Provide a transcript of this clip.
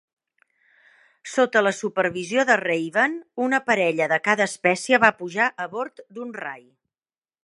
Sota la supervisió de Raven, una parella de cada espècie va pujar a bord d'un rai.